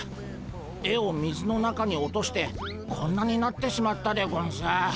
絵を水の中に落としてこんなになってしまったでゴンス。